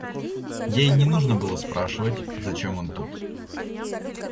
Ей не нужно было спрашивать, зачем он тут.